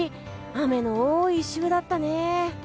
雨の多い週だったね。